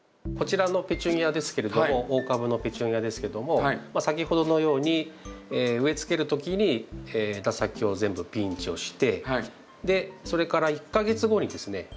こちらのペチュニアですけれども大株のペチュニアですけども先ほどのように植えつける時に枝先を全部ピンチをしてでそれから１か月後にですね